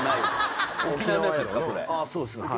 そうですね。